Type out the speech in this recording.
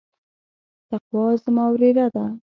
تقوا زما وريره ده.